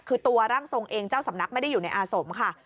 คือตัวร่างทรงเองเจ้าสำนักไม่ได้อยู่ในอาสมค่ะ